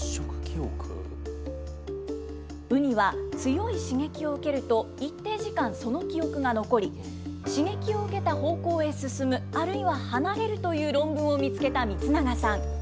ウニは強い刺激を受けると、一定時間、その記憶が残り、刺激を受けた方向へ進む、あるいは離れるという論文を見つけた満永さん。